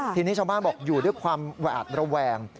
ทีนี้ชาวบ้านบอกอยู่ด้วยความหวาดระแวง